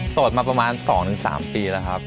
สดมาประมาณ๒๓ปีแล้วครับ